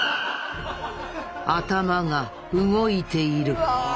頭が動いている。